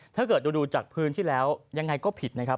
ถ้าเกิดดูจากพื้นที่แล้วยังไงก็ผิดนะครับ